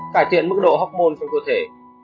cải thiện mức độ học môn trong cơ thể